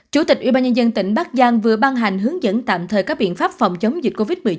chủ tịch ubnd tỉnh bắc giang vừa ban hành hướng dẫn tạm thời các biện pháp phòng chống dịch covid một mươi chín